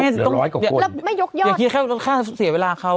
เดี๋ยวร้อยกว่าคนแล้วไม่ยกยอดอย่าคิดแค่ค่าเสียเวลาเขา